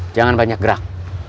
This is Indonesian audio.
jangan banyak gerak